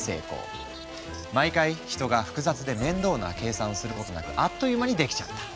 毎回人が複雑で面倒な計算をすることなくあっという間にできちゃった。